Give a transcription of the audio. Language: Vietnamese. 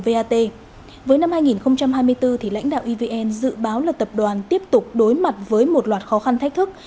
với năm hai nghìn hai mươi bốn lãnh đạo evn dự báo là tập đoàn tiếp tục đối mặt với một loạt khó khăn thách thức